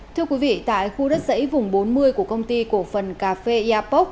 thưa quý vị tại khu đất dãy vùng bốn mươi của công ty cổ phần cà phê eapoc